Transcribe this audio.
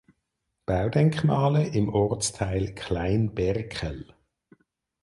Baudenkmale im Ortsteil Klein Berkel.